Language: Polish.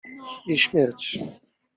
I śmierć.